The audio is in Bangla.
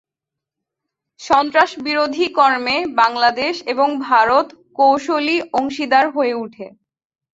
সন্ত্রাস বিরোধী কর্মে বাংলাদেশ এবং ভারত কৌশলী অংশীদার হয়ে উঠে।